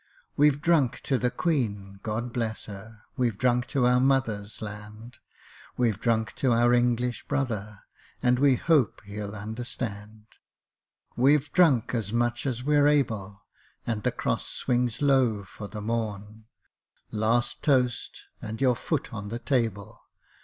We've drunk to the Queen God bless her! We've drunk to our mothers' land; We've drunk to our English brother (And we hope he'll understand). We've drunk as much as we're able, And the Cross swings low for the morn; Last toast and your foot on the table!